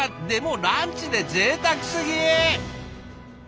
でもランチでぜいたくすぎ！